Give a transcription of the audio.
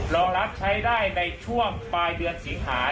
รองรับใช้ได้ในช่วงปลายเดือนสิงหา